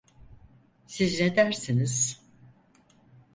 Siz ne dersiniz?